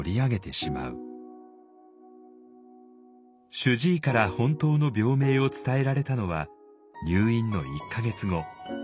主治医から本当の病名を伝えられたのは入院の１か月後。